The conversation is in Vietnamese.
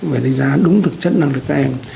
về đối giá đúng thực chất năng lực các em